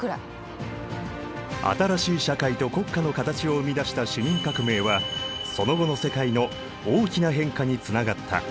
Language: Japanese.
新しい社会と国家の形を生み出した市民革命はその後の世界の大きな変化につながった。